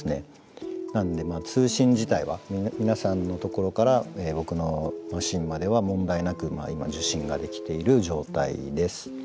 なんで通信自体は皆さんのところから僕のマシーンまでは問題なく今受信ができている状態です。